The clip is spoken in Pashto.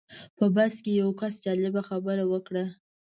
په بس کې یو کس جالبه خبره وکړه.